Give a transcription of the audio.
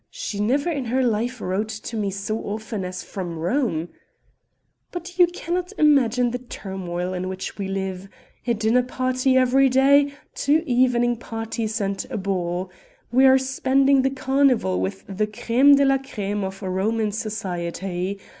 she never in her life wrote to me so often as from Rome" "but you cannot imagine the turmoil in which we live. A dinner party every day, two evening parties and a ball. We are spending the carnival with the crême de la crême of Roman society.